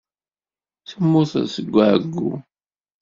Temmuteḍ seg ɛeyyu.